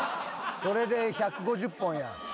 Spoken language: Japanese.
それで１５０本やん。